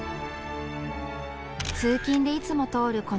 通勤でいつも通る